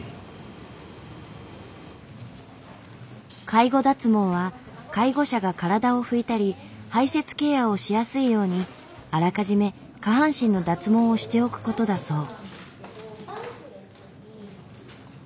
介護脱毛は介護者が体を拭いたり排せつケアをしやすいようにあらかじめ下半身の脱毛をしておくことだそう。